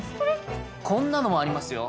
こんなのもありますよ。